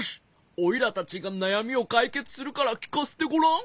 おいらたちがなやみをかいけつするからきかせてごらん。